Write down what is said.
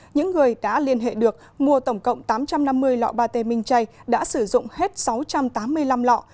những người đã liên hệ được mua tổng cộng tám trăm năm mươi lọ bà tê minh chay đã sử dụng hết sáu trăm tám mươi năm lọ